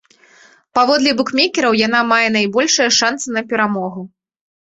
Паводле букмекераў, яна мае найбольшыя шанцы на перамогу.